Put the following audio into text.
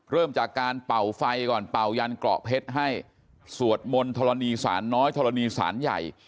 เริ่มจากการเป่าไฟก่อนเป่ายันเกราะเพชรให้สวดมนต์ธรณีสารน้อยธรณีสารใหญ่